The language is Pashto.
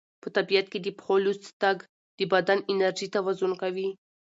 په طبیعت کې د پښو لوڅ تګ د بدن انرژي توازن کوي.